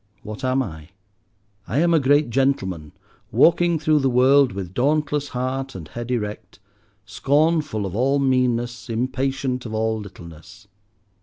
What am I? I am a great gentleman, walking through the world with dauntless heart and head erect, scornful of all meanness, impatient of all littleness.